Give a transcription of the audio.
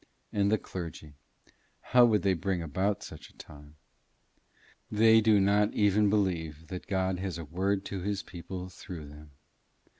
And the clergy how would they bring about such a time? They do not even believe that God has a word to his people through them.